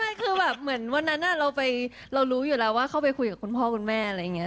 ไม่คือแบบเหมือนวันนั้นเรารู้อยู่แล้วว่าเข้าไปคุยกับคุณพ่อคุณแม่อะไรอย่างนี้